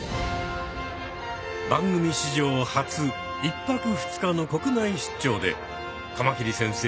番組史上初１泊２日の国内出張でカマキリ先生